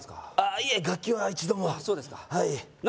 いえ楽器は一度もそうですかな